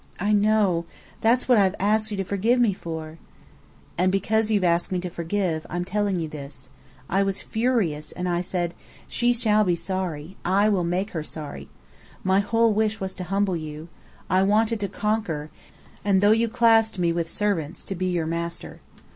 "I know! That's what I've asked you to forgive me for." "And because you've asked me to forgive, I'm telling you this. I was furious; and I said, 'She shall be sorry. I will make her sorry.' My whole wish was to humble you. I wanted to conquer, and though you classed me with servants, to be your master."